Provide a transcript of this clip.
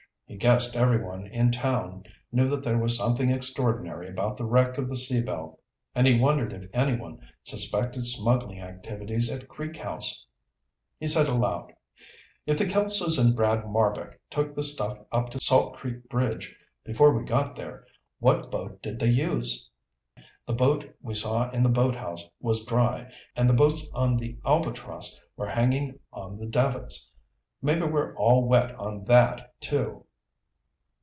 He guessed everyone in town knew there was something extraordinary about the wreck of the Sea Belle and he wondered if anyone suspected smuggling activities at Creek House. He said aloud, "If the Kelsos and Brad Marbek took the stuff up to Salt Creek Bridge before we got there, what boat did they use? The boat we saw in the boathouse was dry, and the boats on the Albatross were hanging on the davits. Maybe we're all wet on that, too."